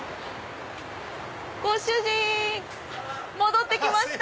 ご主人戻って来ました。